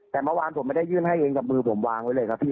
แต่เมื่อวานผมไม่ได้ยื่นให้เองกับมือผมวางไว้เลยครับพี่